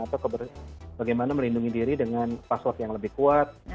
atau bagaimana melindungi diri dengan password yang lebih kuat